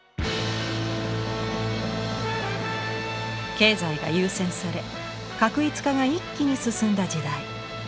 経済が優先され画一化が一気に進んだ時代。